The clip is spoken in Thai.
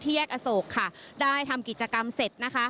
แยกอโศกค่ะได้ทำกิจกรรมเสร็จนะคะ